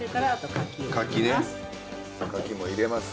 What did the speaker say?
柿も入れます。